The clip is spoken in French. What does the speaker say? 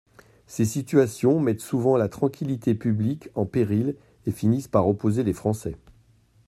Ces situations mettent souvent la tranquillité publique en péril et finissent par opposer les Français.